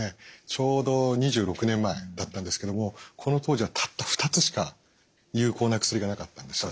ちょうど２６年前だったんですけどもこの当時はたった２つしか有効な薬がなかったんです。